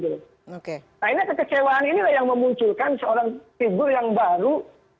nah ini kekecewaan inilah yang memunculkan seorang figur yang baru